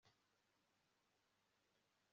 hariho abana benshi bakina tagi kumikino